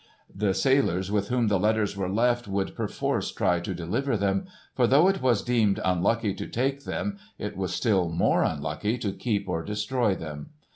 The sailors with whom the letters were left would perforce try to deliver them, for though it was deemed unlucky to take them it was still more unlucky to keep or destroy them.